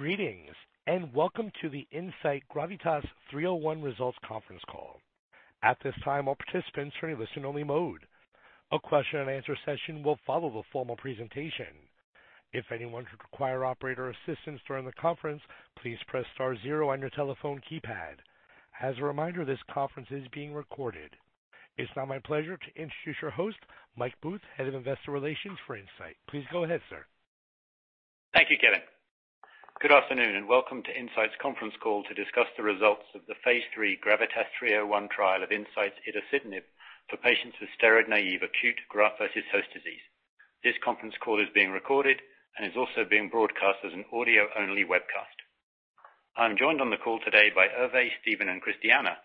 Greetings, and welcome to the Incyte GRAVITAS-301 results conference call. At this time, all participants are in listen only mode. A question and answer session will follow the formal presentation. If anyone should require operator assistance during the conference, please press star zero on your telephone keypad. As a reminder, this conference is being recorded. It's now my pleasure to introduce your host, Michael Booth, Head of Investor Relations for Incyte. Please go ahead, sir. Thank you, Kevin. Good afternoon, and welcome to Incyte's conference call to discuss the results of the phase III GRAVITAS-301 trial of Incyte's itacitinib for patients with steroid-naive acute graft-versus-host disease. This conference call is being recorded and is also being broadcast as an audio-only webcast. I'm joined on the call today by Hervé, Steven, and Christiana,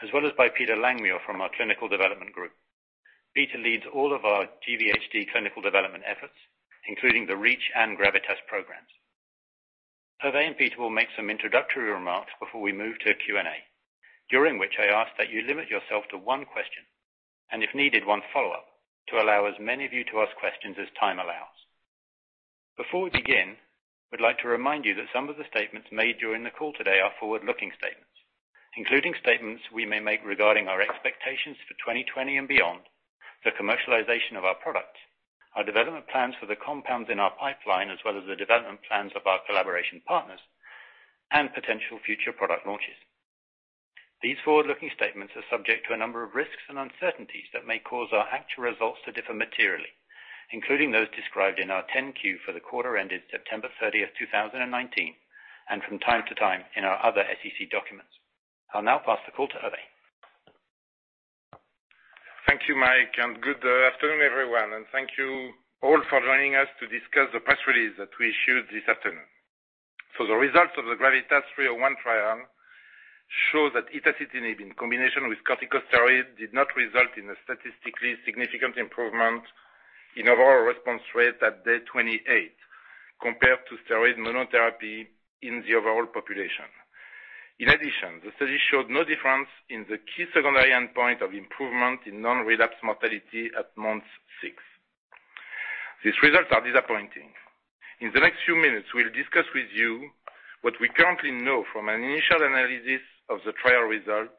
as well as by Peter Langmuir from our clinical development group. Peter leads all of our GVHD clinical development efforts, including the REACH and GRAVITAS programs. Hervé and Peter will make some introductory remarks before we move to Q&A, during which I ask that you limit yourself to one question, and if needed, one follow-up, to allow as many of you to ask questions as time allows. Before we begin, we'd like to remind you that some of the statements made during the call today are forward-looking statements, including statements we may make regarding our expectations for 2020 and beyond, the commercialization of our products, our development plans for the compounds in our pipeline, as well as the development plans of our collaboration partners and potential future product launches. These forward-looking statements are subject to a number of risks and uncertainties that may cause our actual results to differ materially, including those described in our 10-Q for the quarter ended September 30th, 2019, and from time to time in our other SEC documents. I'll now pass the call to Hervé. Thank you, Mike, and good afternoon, everyone, and thank you all for joining us to discuss the press release that we issued this afternoon. The results of the GRAVITAS-301 trial show that itacitinib in combination with corticosteroids did not result in a statistically significant improvement in overall response rate at day 28 compared to steroid monotherapy in the overall population. In addition, the study showed no difference in the key secondary endpoint of improvement in non-relapsed mortality at month 6. These results are disappointing. In the next few minutes, we'll discuss with you what we currently know from an initial analysis of the trial result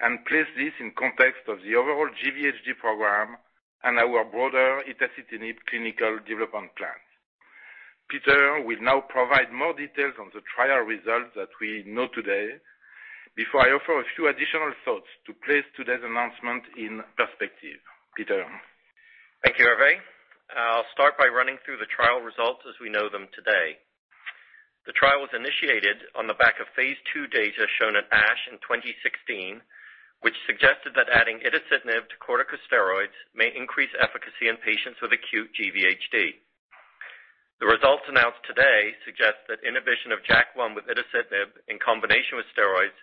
and place this in context of the overall GVHD program and our broader itacitinib clinical development plans. Peter will now provide more details on the trial results that we know today before I offer a few additional thoughts to place today's announcement in perspective. Peter. Thank you, Hervé. I'll start by running through the trial results as we know them today. The trial was initiated on the back of phase II data shown at ASH in 2016, which suggested that adding itacitinib to corticosteroids may increase efficacy in patients with acute GVHD. The results announced today suggest that inhibition of JAK1 with itacitinib in combination with steroids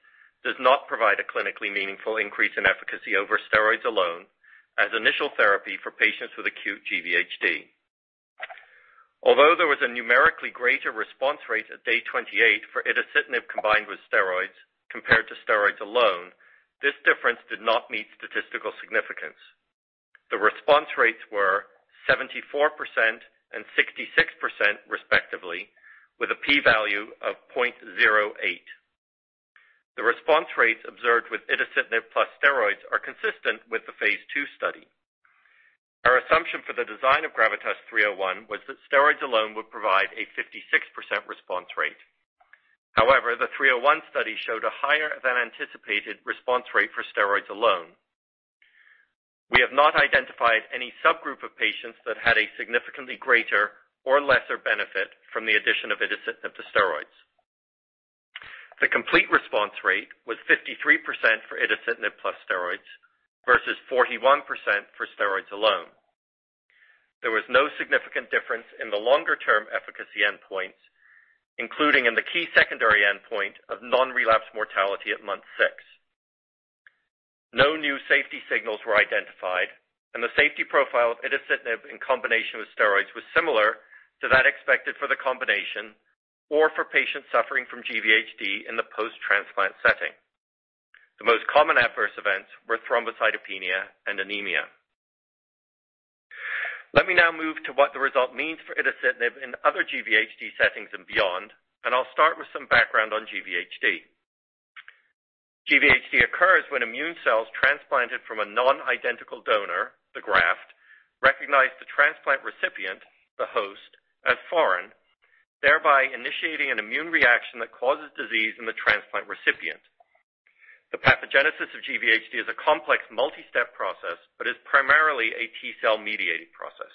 does not provide a clinically meaningful increase in efficacy over steroids alone as initial therapy for patients with acute GVHD. Although there was a numerically greater response rate at day 28 for itacitinib combined with steroids compared to steroids alone, this difference did not meet statistical significance. The response rates were 74% and 66%, respectively, with a P value of 0.08. The response rates observed with itacitinib plus steroids are consistent with the phase II study. Our assumption for the design of GRAVITAS-301 was that steroids alone would provide a 56% response rate. However, the 301 study showed a higher than anticipated response rate for steroids alone. We have not identified any subgroup of patients that had a significantly greater or lesser benefit from the addition of itacitinib to steroids. The complete response rate was 53% for itacitinib plus steroids versus 41% for steroids alone. There was no significant difference in the longer-term efficacy endpoints, including in the key secondary endpoint of non-relapse mortality at month six. No new safety signals were identified, and the safety profile of itacitinib in combination with steroids was similar to that expected for the combination or for patients suffering from GVHD in the post-transplant setting. The most common adverse events were thrombocytopenia and anemia. Let me now move to what the result means for itacitinib in other GVHD settings and beyond. I'll start with some background on GVHD. GVHD occurs when immune cells transplanted from a non-identical donor, the graft, recognize the transplant recipient, the host, as foreign, thereby initiating an immune reaction that causes disease in the transplant recipient. The pathogenesis of GVHD is a complex multi-step process but is primarily a T-cell mediated process.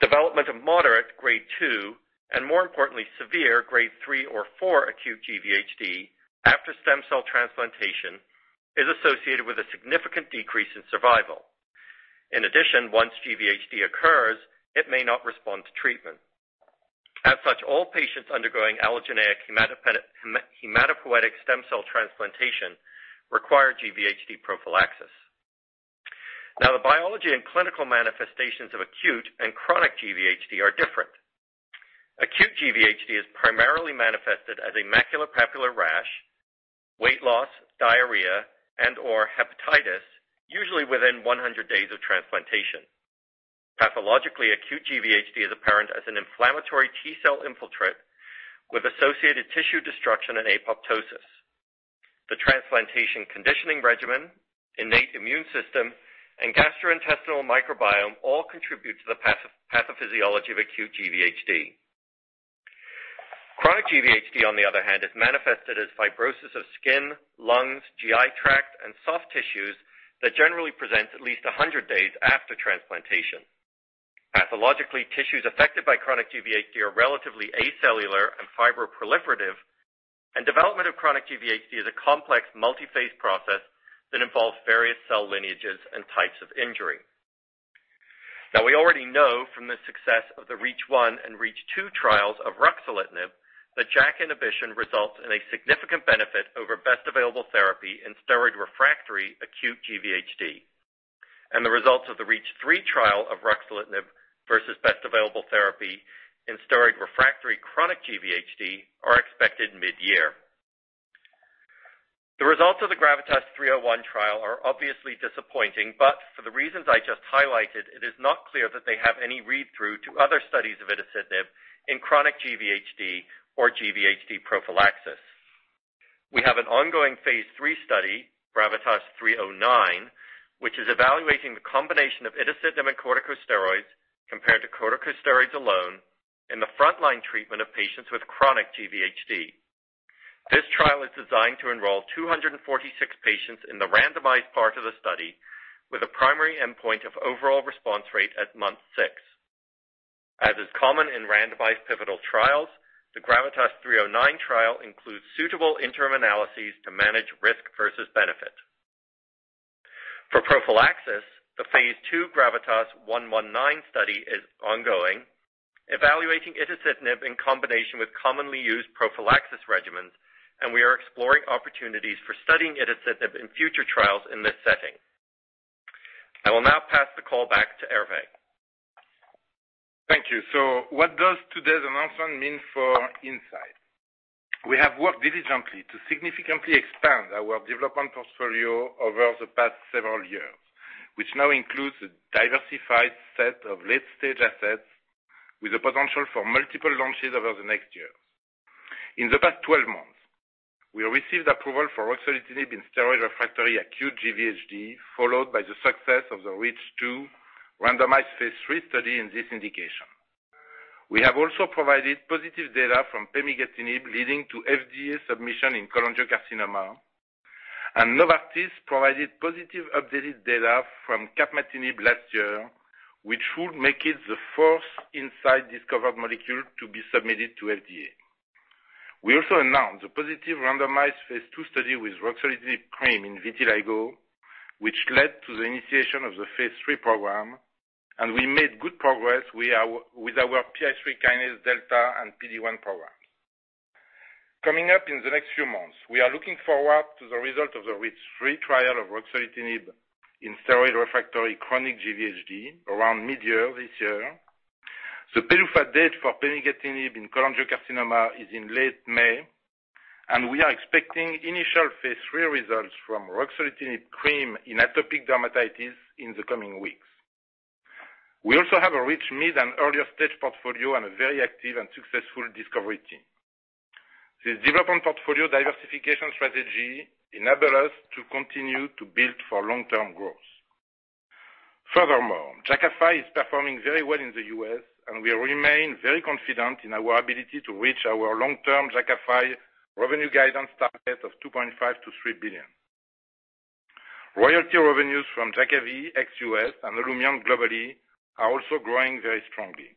Development of moderate grade 2 and more importantly, severe grade 3 or 4 acute GVHD after stem cell transplantation is associated with a significant decrease in survival. In addition, once GVHD occurs, it may not respond to treatment. As such, all patients undergoing allogeneic hematopoietic stem cell transplantation require GVHD prophylaxis. The biology and clinical manifestations of acute and chronic GVHD are different. Acute GVHD is primarily manifested as a maculopapular rash, weight loss, diarrhea, and/or hepatitis, usually within 100 days of transplantation. Pathologically acute GVHD is apparent as an inflammatory T-cell infiltrate with associated tissue destruction and apoptosis. The transplantation conditioning regimen, innate immune system, and gastrointestinal microbiome all contribute to the pathophysiology of acute GVHD. Chronic GVHD, on the other hand, is manifested as fibrosis of skin, lungs, GI tract, and soft tissues that generally present at least 100 days after transplantation. Pathologically, tissues affected by chronic GVHD are relatively acellular and fibroproliferative, and development of chronic GVHD is a complex, multi-phase process that involves various cell lineages and types of injury. Now, we already know from the success of the REACH1 and REACH2 trials of ruxolitinib that JAK inhibition results in a significant benefit over best available therapy in steroid-refractory acute GVHD. The results of the REACH3 trial of ruxolitinib versus best available therapy in steroid-refractory chronic GVHD are expected mid-year. The results of the GRAVITAS-301 trial are obviously disappointing, but for the reasons I just highlighted, it is not clear that they have any read-through to other studies of itacitinib in chronic GVHD or GVHD prophylaxis. We have an ongoing phase III study, GRAVITAS-309, which is evaluating the combination of itacitinib and corticosteroids compared to corticosteroids alone in the frontline treatment of patients with chronic GVHD. This trial is designed to enroll 246 patients in the randomized part of the study with a primary endpoint of overall response rate at month six. As is common in randomized pivotal trials, the GRAVITAS-309 trial includes suitable interim analyses to manage risk versus benefit. For prophylaxis, the phase II GRAVITAS-119 study is ongoing, evaluating itacitinib in combination with commonly used prophylaxis regimens, and we are exploring opportunities for studying itacitinib in future trials in this setting. I will now pass the call back to Hervé. Thank you. What does today's announcement mean for Incyte? We have worked diligently to significantly expand our development portfolio over the past several years, which now includes a diversified set of late-stage assets with the potential for multiple launches over the next years. In the past 12 months, we received approval for ruxolitinib in steroid-refractory acute GVHD, followed by the success of the REACH2 randomized phase III study in this indication. We have also provided positive data from pemigatinib leading to FDA submission in cholangiocarcinoma, and Novartis provided positive updated data from capmatinib last year, which should make it the first Incyte-discovered molecule to be submitted to FDA. We also announced the positive randomized phase II study with ruxolitinib cream in vitiligo, which led to the initiation of the phase III program, and we made good progress with our PI3K-delta and PD-1 programs. Coming up in the next few months, we are looking forward to the result of the REACH3 trial of ruxolitinib in steroid-refractory chronic GVHD around mid-year this year. The PDUFA date for pemigatinib in cholangiocarcinoma is in late May, and we are expecting initial phase III results from ruxolitinib cream in atopic dermatitis in the coming weeks. We also have a rich mid- and earlier-stage portfolio and a very active and successful discovery team. This development portfolio diversification strategy enables us to continue to build for long-term growth. Furthermore, Jakafi is performing very well in the U.S., and we remain very confident in our ability to reach our long-term Jakafi revenue guidance target of $2.5 billion-$3 billion. Royalty revenues from Jakavi ex U.S. and Olumiant globally are also growing very strongly.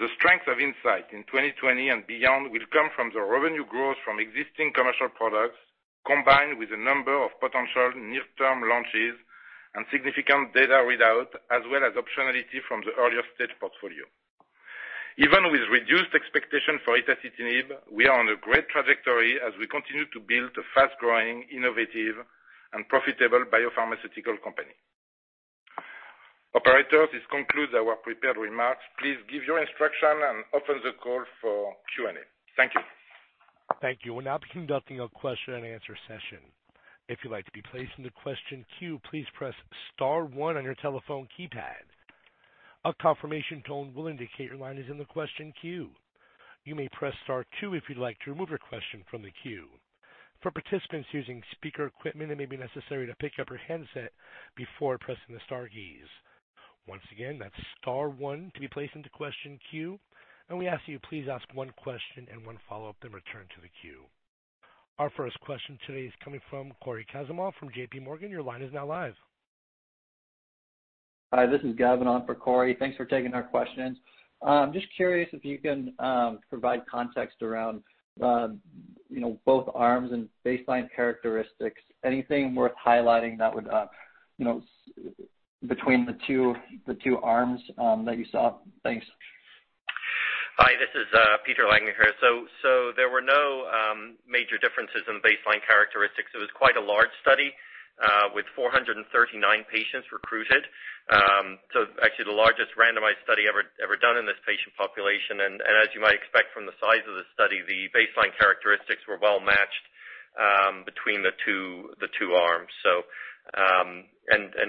The strength of Incyte in 2020 and beyond will come from the revenue growth from existing commercial products, combined with a number of potential near-term launches and significant data readouts, as well as optionality from the earlier-stage portfolio. Even with reduced expectation for itacitinib, we are on a great trajectory as we continue to build a fast-growing, innovative, and profitable biopharmaceutical company. Operator, this concludes our prepared remarks. Please give your instruction and open the call for Q&A. Thank you. Thank you. We'll now be conducting a question-and-answer session. If you'd like to be placed in the question queue, please press *1 on your telephone keypad. A confirmation tone will indicate your line is in the question queue. You may press *2 if you'd like to remove your question from the queue. For participants using speaker equipment, it may be necessary to pick up your handset before pressing the star keys. Once again, that's *1 to be placed into question queue, and we ask that you please ask one question and one follow-up, then return to the queue. Our first question today is coming from Cory Kasimov from JPMorgan. Your line is now live. Hi, this is Gavin on for Cory. Thanks for taking our questions. I'm just curious if you can provide context around both arms and baseline characteristics. Anything worth highlighting between the two arms that you saw? Thanks. Hi, this is Peter Langmuir here. There were no major differences in baseline characteristics. It was quite a large study with 439 patients recruited. Actually the largest randomized study ever done in this patient population. As you might expect from the size of the study, the baseline characteristics were well matched. Between the two arms.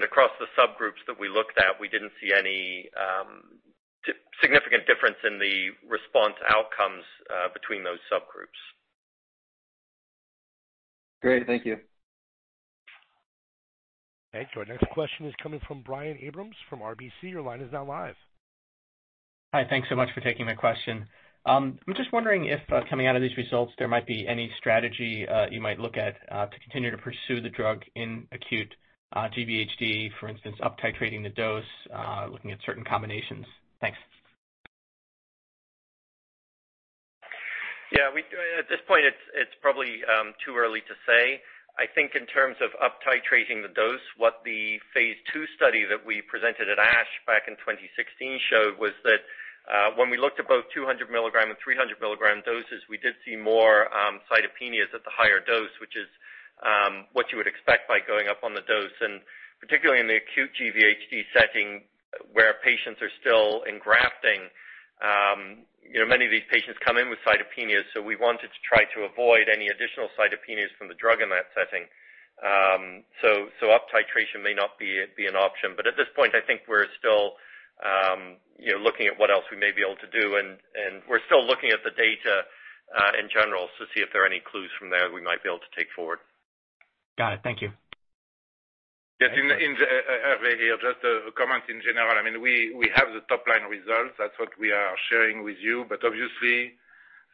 Across the subgroups that we looked at, we didn't see any significant difference in the response outcomes between those subgroups. Great. Thank you. Thank you. Our next question is coming from Brian Abrahams from RBC. Your line is now live. Hi. Thanks so much for taking my question. I'm just wondering if, coming out of these results, there might be any strategy you might look at to continue to pursue the drug in acute GVHD. For instance, up titrating the dose, looking at certain combinations. Thanks. Yeah. At this point, it's probably too early to say. I think in terms of up titrating the dose, what the phase II study that we presented at ASH back in 2016 showed was that when we looked at both 200 milligram and 300 milligram doses, we did see more cytopenias at the higher dose, which is what you would expect by going up on the dose. Particularly in the acute GVHD setting where patients are still engrafting, many of these patients come in with cytopenias, so we wanted to try to avoid any additional cytopenias from the drug in that setting. Up titration may not be an option, but at this point, I think we're still looking at what else we may be able to do and we're still looking at the data in general to see if there are any clues from there that we might be able to take forward. Got it. Thank you. Yes. Okay. Hervé here. Just a comment in general. We have the top-line results. That's what we are sharing with you. Obviously,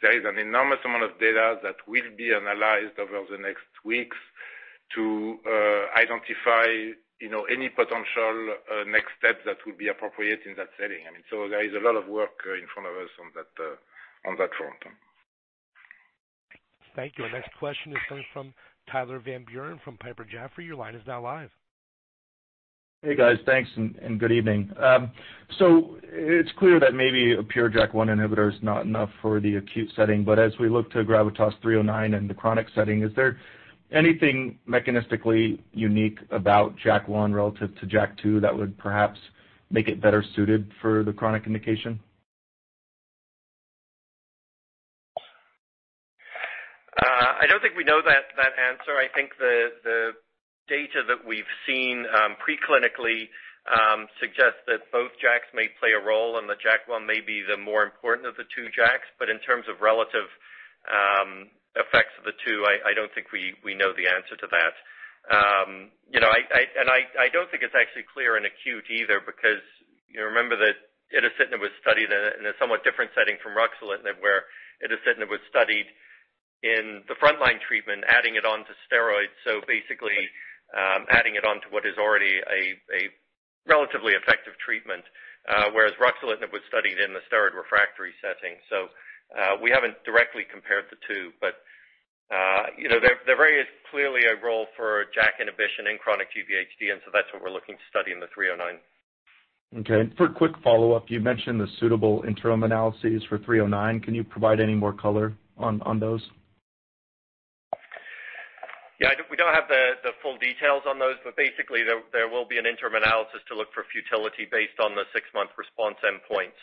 there is an enormous amount of data that will be analyzed over the next weeks to identify any potential next steps that would be appropriate in that setting. There is a lot of work in front of us on that front. Thank you. Our next question is coming from Tyler Van Buren from Piper Jaffray. Your line is now live. Hey, guys. Thanks and good evening. It's clear that maybe a pure JAK1 inhibitor is not enough for the acute setting, but as we look to GRAVITAS-309 in the chronic setting, is there anything mechanistically unique about JAK1 relative to JAK2 that would perhaps make it better suited for the chronic indication? I don't think we know that answer. I think the data that we've seen preclinically suggests that both JAKs may play a role and the JAK1 may be the more important of the two JAKs, but in terms of relative effects of the two, I don't think we know the answer to that. I don't think it's actually clear in acute either because, remember that itacitinib was studied in a somewhat different setting from ruxolitinib, where itacitinib was studied in the frontline treatment, adding it onto steroids, so basically adding it onto what is already a relatively effective treatment, whereas ruxolitinib was studied in the steroid refractory setting. We haven't directly compared the two. There very is clearly a role for JAK inhibition in chronic GVHD, and so that's what we're looking to study in the 309. Okay. For a quick follow-up, you mentioned the suitable interim analyses for 309. Can you provide any more color on those? Yeah. We don't have the full details on those. Basically, there will be an interim analysis to look for futility based on the six-month response endpoint.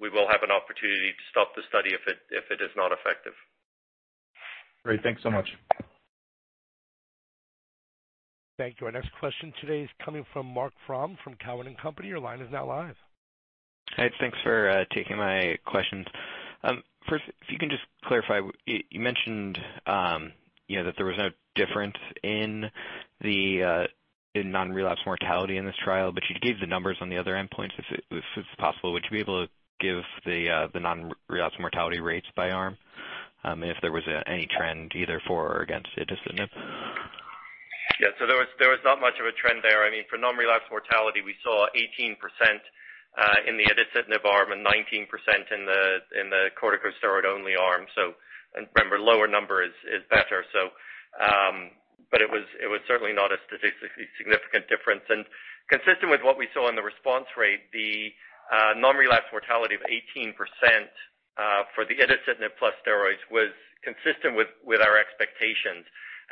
We will have an opportunity to stop the study if it is not effective. Great. Thanks so much. Thank you. Our next question today is coming from Marc Frahm from Cowen and Company. Your line is now live. Hi. Thanks for taking my questions. First, if you can just clarify, you mentioned that there was no difference in non-relapse mortality in this trial, but you gave the numbers on the other endpoints. If it's possible, would you be able to give the non-relapse mortality rates by arm, if there was any trend either for or against itacitinib? Yeah. There was not much of a trend there. For non-relapse mortality, we saw 18% in the itacitinib arm and 19% in the corticosteroid-only arm. Remember, lower number is better. It was certainly not a statistically significant difference. Consistent with what we saw in the response rate, the non-relapse mortality of 18% for the itacitinib plus steroids was consistent with our expectations.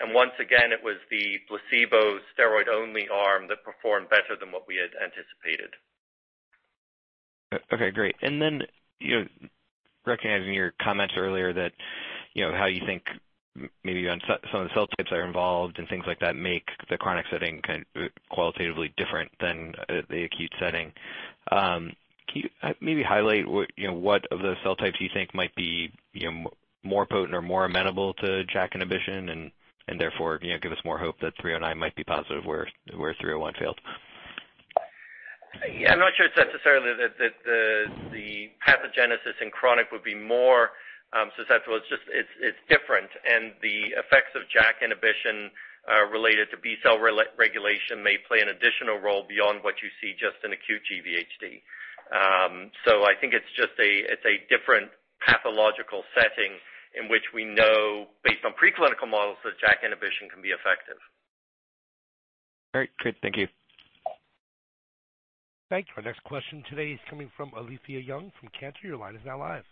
Once again, it was the placebo steroid-only arm that performed better than what we had anticipated. Okay, great. Recognizing your comments earlier that how you think maybe some of the cell types that are involved and things like that make the chronic setting qualitatively different than the acute setting. Can you maybe highlight what of those cell types you think might be more potent or more amenable to JAK inhibition and therefore give us more hope that 309 might be positive where 301 failed? Yeah. I'm not sure it's necessarily that the pathogenesis in chronic would be more successful. It's different, and the effects of JAK inhibition related to B-cell regulation may play an additional role beyond what you see just in acute GVHD. I think it's a different pathological setting in which we know, based on preclinical models, that JAK inhibition can be effective. All right. Great. Thank you. Thanks. Our next question today is coming from Alethia Young from Cantor. Your line is now live.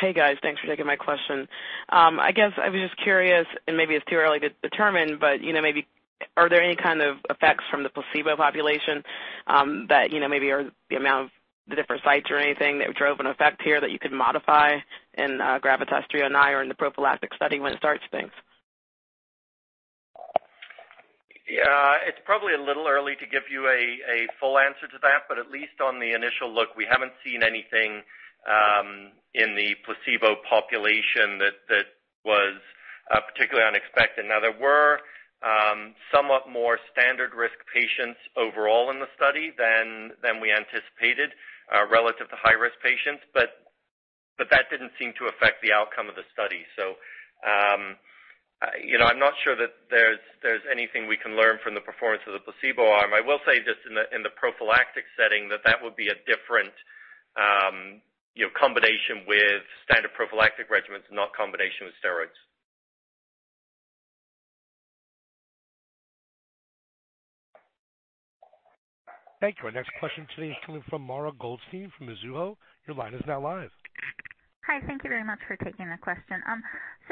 Hey, guys. Thanks for taking my question. I guess I was just curious, and maybe it's too early to determine, but are there any kind of effects from the placebo population that maybe are the amount of the different sites or anything that drove an effect here that you could modify in GRAVITAS-309 or in the prophylactic study when it starts things? Yeah, it's probably a little early to give you a full answer to that, but at least on the initial look, we haven't seen anything in the placebo population that was particularly unexpected. Now, there were somewhat more standard risk patients overall in the study than we anticipated relative to high-risk patients. That didn't seem to affect the outcome of the study. I'm not sure that there's anything we can learn from the performance of the placebo arm. I will say just in the prophylactic setting that that would be a different combination with standard prophylactic regimens, not combination with steroids. Thank you. Our next question today is coming from Mara Goldstein from Mizuho. Your line is now live. Hi. Thank you very much for taking the question.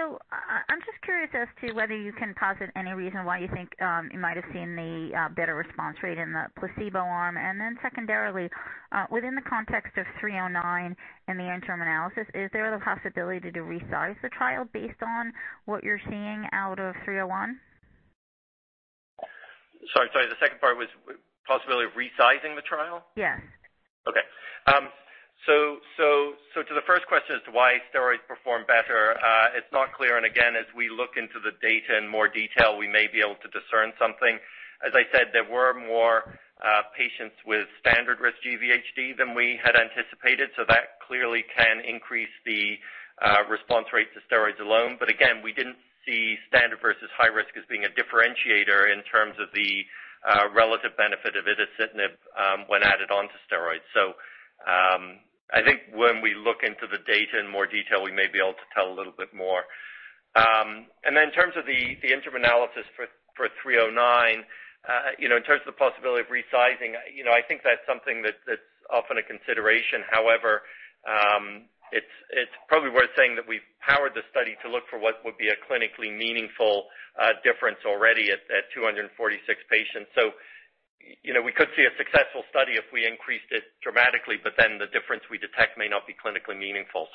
I'm just curious as to whether you can posit any reason why you think you might've seen the better response rate in the placebo arm. Secondarily, within the context of 309 in the interim analysis, is there the possibility to resize the trial based on what you're seeing out of 301? Sorry. The second part was possibility of resizing the trial? Yes. Okay. To the first question as to why steroids perform better, it's not clear. Again, as we look into the data in more detail, we may be able to discern something. As I said, there were more patients with standard-risk GVHD than we had anticipated, that clearly can increase the response rates to steroids alone. Again, we didn't see standard versus high risk as being a differentiator in terms of the relative benefit of itacitinib when added on to steroids. I think when we look into the data in more detail, we may be able to tell a little bit more. In terms of the interim analysis for 309, in terms of the possibility of resizing, I think that's something that's often a consideration. However, it's probably worth saying that we've powered the study to look for what would be a clinically meaningful difference already at 246 patients. We could see a successful study if we increased it dramatically, the difference we detect may not be clinically meaningful.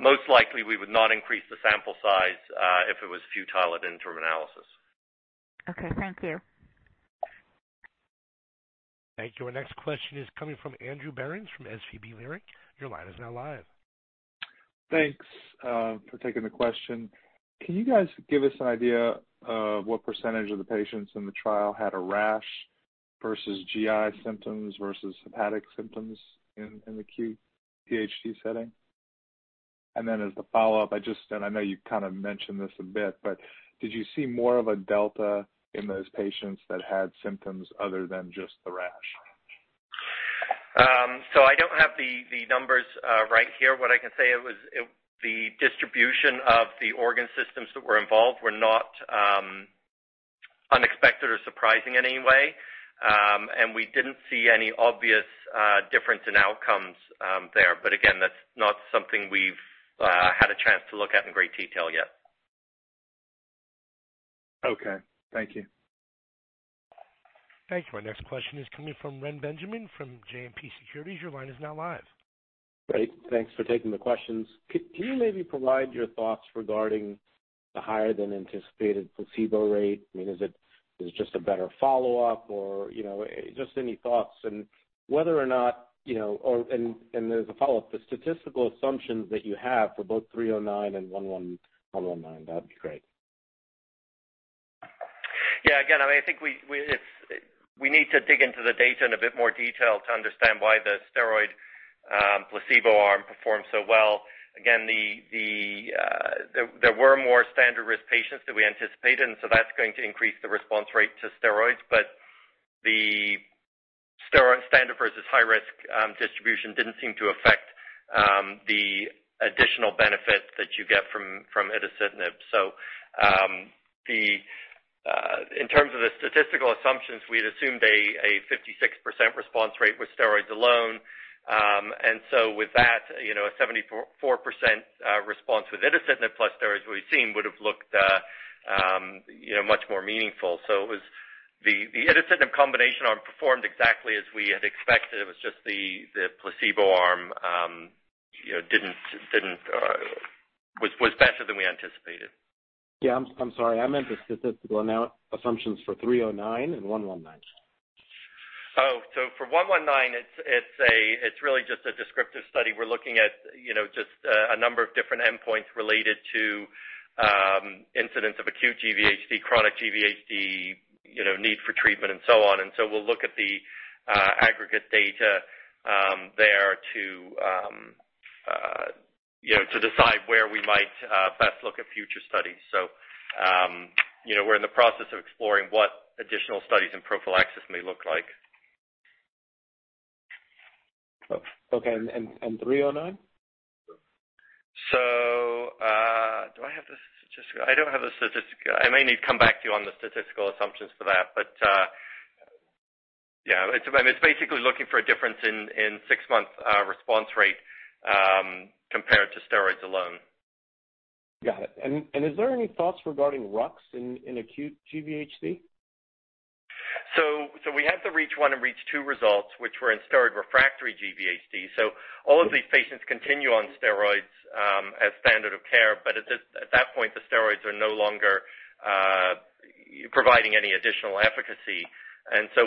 Most likely we would not increase the sample size, if it was futile at interim analysis. Okay. Thank you. Thank you. Our next question is coming from Andrew Berens from SVB Leerink. Your line is now live. Thanks for taking the question. Can you guys give us an idea of what percentage of the patients in the trial had a rash versus GI symptoms versus hepatic symptoms in the acute GVHD setting? As the follow-up, and I know you kind of mentioned this a bit, but did you see more of a delta in those patients that had symptoms other than just the rash? I don't have the numbers right here. What I can say, the distribution of the organ systems that were involved were not unexpected or surprising in any way. We didn't see any obvious difference in outcomes there. Again, that's not something we've had a chance to look at in great detail yet. Okay. Thank you. Thank you. Our next question is coming from Reni Benjamin from JMP Securities. Your line is now live. Great. Thanks for taking the questions. Could you maybe provide your thoughts regarding the higher than anticipated placebo rate? I mean, is it just a better follow-up or just any thoughts, the statistical assumptions that you have for both 309 and 119? That'd be great. Yeah, again, I think we need to dig into the data in a bit more detail to understand why the steroid placebo arm performed so well. Again, there were more standard-risk patients than we anticipated, that's going to increase the response rate to steroids. The steroid standard versus high-risk distribution didn't seem to affect the additional benefit that you get from itacitinib. In terms of the statistical assumptions, we'd assumed a 56% response rate with steroids alone. With that, a 74% response with itacitinib plus steroids we've seen would've looked much more meaningful. It was the itacitinib combination arm performed exactly as we had expected. It was just the placebo arm was better than we anticipated. Yeah, I'm sorry. I meant the statistical assumptions for 309 and 119. For 119, it's really just a descriptive study. We're looking at just a number of different endpoints related to incidents of acute GVHD, chronic GVHD, need for treatment, and so on. We'll look at the aggregate data there to decide where we might best look at future studies. We're in the process of exploring what additional studies in prophylaxis may look like. Okay. 309? Do I have the statistical? I may need to come back to you on the statistical assumptions for that, but it's basically looking for a difference in six-month response rate compared to steroids alone. Got it. Is there any thoughts regarding ruxolitinib in acute GVHD? We had the REACH1 and REACH2 results, which were in steroid-refractory GVHD. All of these patients continue on steroids as standard of care, but at that point, the steroids are no longer providing any additional efficacy.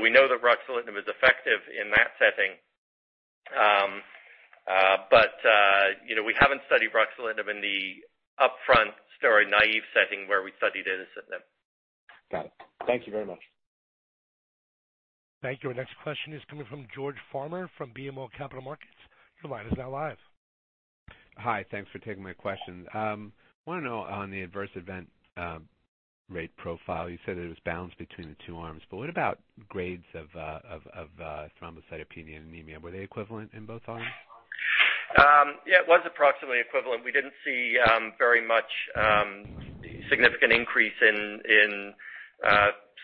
We know that ruxolitinib is effective in that setting. We haven't studied ruxolitinib in the upfront steroid-naive setting where we studied itacitinib. Got it. Thank you very much. Thank you. Our next question is coming from George Farmer from BMO Capital Markets. Your line is now live. Hi. Thanks for taking my question. I want to know on the adverse event rate profile, you said it was balanced between the two arms. What about grades of thrombocytopenia and anemia? Were they equivalent in both arms? Yeah, it was approximately equivalent. We didn't see very much significant increase in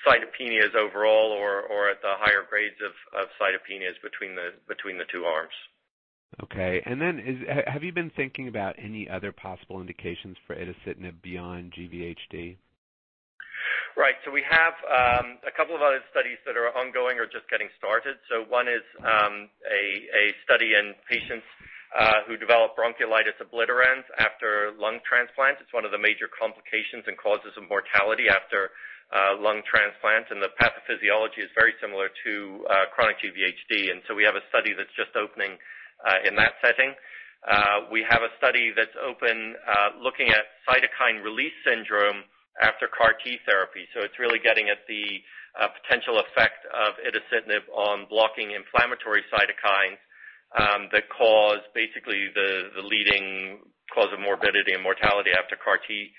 cytopenias overall or at the higher grades of cytopenias between the two arms. Okay. Have you been thinking about any other possible indications for itacitinib beyond GVHD? Right. We have a couple of other studies that are ongoing or just getting started. One is a study in patients who develop bronchiolitis obliterans after lung transplants. It's one of the major complications and causes of mortality after lung transplants, and the pathophysiology is very similar to chronic GVHD. We have a study that's just opening in that setting. We have a study that's open looking at cytokine release syndrome after CAR T therapy. It's really getting at the potential effect of itacitinib on blocking inflammatory cytokines that cause basically the leading cause of morbidity and mortality after CAR T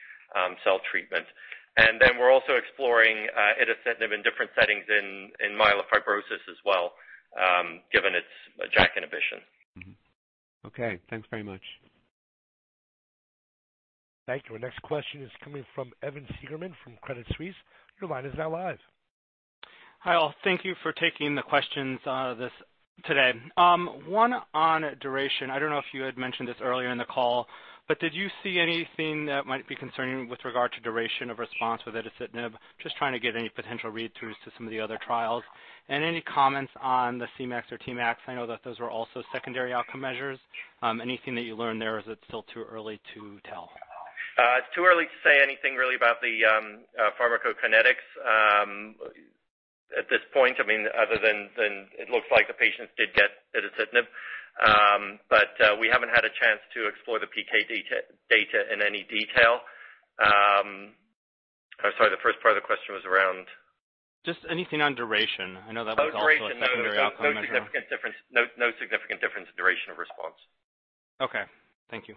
cell treatment. We're also exploring itacitinib in different settings in myelofibrosis as well, given its JAK inhibition. Mm-hmm. Okay. Thanks very much. Thank you. Our next question is coming from Evan Seigerman from Credit Suisse. Your line is now live. Hi, all. Thank you for taking the questions today. One on duration. I don't know if you had mentioned this earlier in the call, but did you see anything that might be concerning with regard to duration of response with itacitinib? Just trying to get any potential read-throughs to some of the other trials. Any comments on the Cmax or Tmax? I know that those were also secondary outcome measures. Anything that you learned there, or is it still too early to tell? It's too early to say anything really about the pharmacokinetics at this point, other than it looks like the patients did get itacitinib. We haven't had a chance to explore the PK data in any detail. I'm sorry, the first part of the question was around? Just anything on duration. I know that was also a secondary outcome measure. No significant difference in duration of response. Okay. Thank you.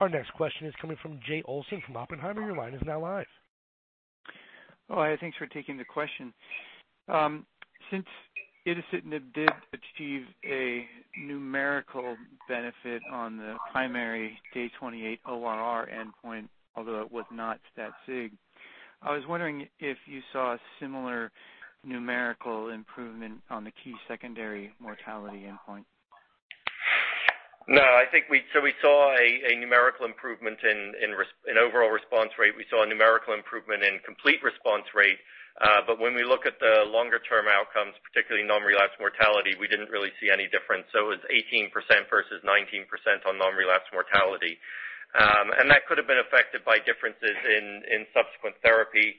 Our next question is coming from Jay Olson from Oppenheimer. Your line is now live. Oh, hi. Thanks for taking the question. Since itacitinib did achieve a numerical benefit on the primary day 28 ORR endpoint, although it was not stat sig, I was wondering if you saw a similar numerical improvement on the key secondary mortality endpoint? No. We saw a numerical improvement in overall response rate. We saw a numerical improvement in complete response rate. When we look at the longer-term outcomes, particularly non-relapse mortality, we didn't really see any difference. It was 18% versus 19% on non-relapse mortality. That could have been affected by differences in subsequent therapy.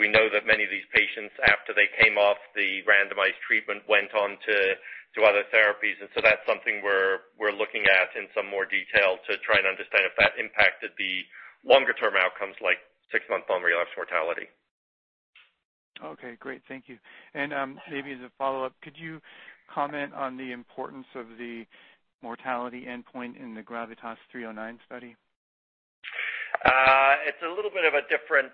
We know that many of these patients, after they came off the randomized treatment, went on to other therapies. That's something we're looking at in some more detail to try and understand if that impacted the longer-term outcomes like six-month non-relapse mortality. Okay, great. Thank you. Maybe as a follow-up, could you comment on the importance of the mortality endpoint in the GRAVITAS-309 study? It's a little bit of a different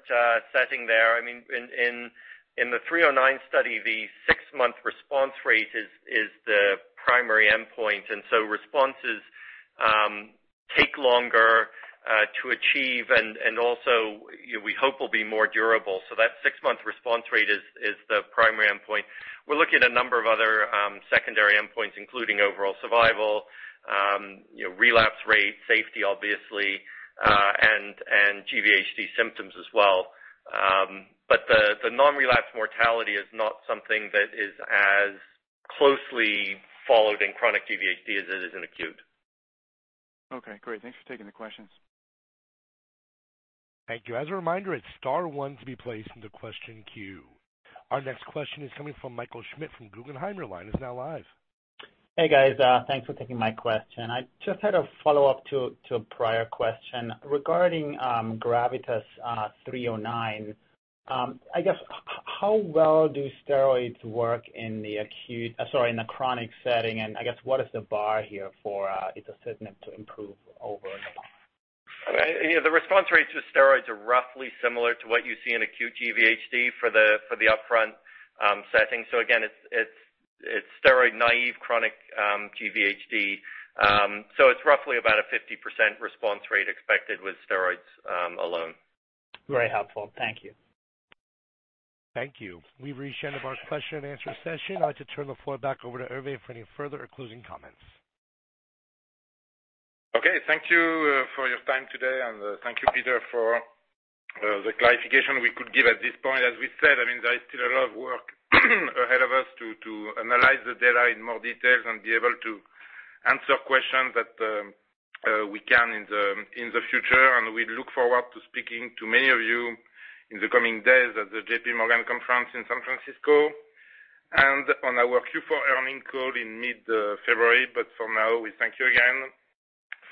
setting there. In the 309 study, the six-month response rate is the primary endpoint, and so responses take longer to achieve and also we hope will be more durable. That six-month response rate is the primary endpoint. We're looking at a number of other secondary endpoints, including overall survival, relapse rate, safety obviously, and GVHD symptoms as well. The non-relapse mortality is not something that is as closely followed in chronic GVHD as it is in acute. Okay, great. Thanks for taking the questions. Thank you. As a reminder, it's star one to be placed into question queue. Our next question is coming from Michael Schmidt from Guggenheim. Your line is now live. Hey, guys. Thanks for taking my question. I just had a follow-up to a prior question. Regarding GRAVITAS-309, I guess, how well do steroids work in the chronic setting, and I guess what is the bar here for itacitinib to improve over? The response rates with steroids are roughly similar to what you see in acute GVHD for the upfront setting. Again, it's steroid-naive chronic GVHD. It's roughly about a 50% response rate expected with steroids alone. Very helpful. Thank you. Thank you. We've reached the end of our question and answer session. I'd like to turn the floor back over to Hervé for any further or closing comments. Okay. Thank you for your time today, and thank you, Peter, for the clarification we could give at this point. As we said, there is still a lot of work ahead of us to analyze the data in more details and be able to answer questions that we can in the future. We look forward to speaking to many of you in the coming days at the JP Morgan conference in San Francisco and on our Q4 earning call in mid-February. For now, we thank you again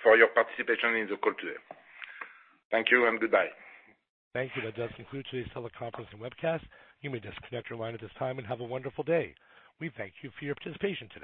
for your participation in the call today. Thank you and goodbye. Thank you. That does conclude today's teleconference and webcast. You may disconnect your line at this time, and have a wonderful day. We thank you for your participation today.